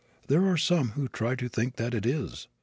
There are some who try to think that it is.